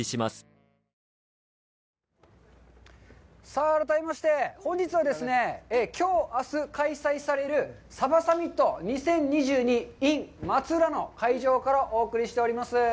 さあ、改めまして、本日はですね、きょう、あす開催される「鯖サミット２０２２ｉｎ松浦」の会場からお送りしております。